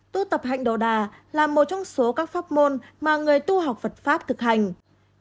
tu tập hạnh đồ đà là một trong số các pháp môn mà người tu học phật pháp thực hành